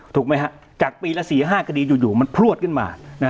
ถูกไหมฮะจากปีละ๔๕คดีอยู่มันพลวดขึ้นมา